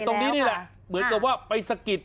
ตรงนี้นี่แหละเหมือนกับว่าไปสะกิด